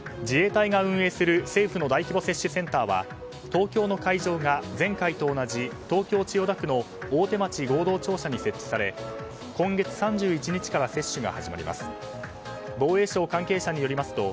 自衛隊が運営する政府の大規模接種センターは東京の会場が前回と同じ東京・千代田区の大手町合同庁舎に設置され今月３１日から接種が始まります。